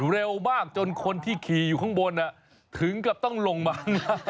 เร็วมากจนคนที่ขี่อยู่ข้างบนถึงกับต้องลงมา